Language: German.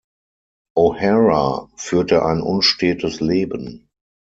O’Hara führte ein unstetes Leben.